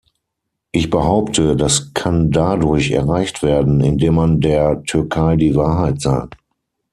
Ich behaupte, das kann dadurch erreicht werden, indem man der Türkei die Wahrheit sagt.